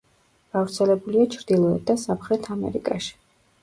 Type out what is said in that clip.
გავრცელებულია ჩრდილოეთ და სამხრეთ ამერიკაში.